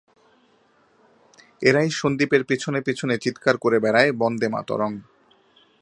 – এরাই সন্দীপের পিছনে পিছনে চীৎকার করে বেড়ায়, বন্দেমাতরং!